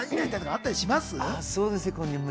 そうですね。